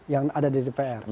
yang ada di dpr